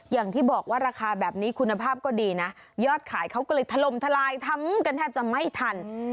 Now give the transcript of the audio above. อย่างที่บอกว่าราคาแบบนี้คุณภาพก็ดีนะยอดขายเขาก็เลยถล่มทลายทำกันแทบจะไม่ทัน